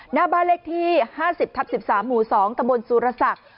หน้าบ้านเล็กที่๕๐ทับ๑๓หู๒ตะบนสุรษัก